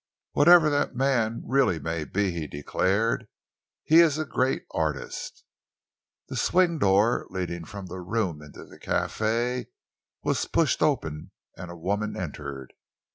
"Whatever that man really may be," he declared, "he is a great artist." The swing door leading from the room into the café was pushed open, and a woman entered.